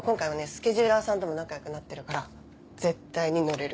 スケジューラーさんとも仲良くなってるから絶対に乗れる。